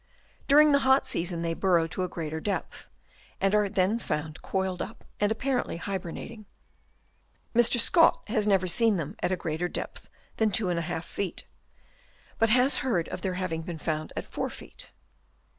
During the hot season they burrow to a greater depth, and are then found coiled up and apparently hybernating. Mr. Scott has never seen them at a greater depth than 2 ^ feet, but has heard 128 HABITS OF WORMS. Chap. II. of their having been found at 4 feet.